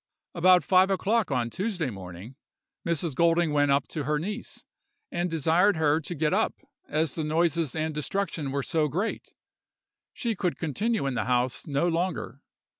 "About five o'clock on Tuesday morning, Mrs. Golding went up to her niece, and desired her to get up, as the noises and destruction were so great, she could continue in the house no longer.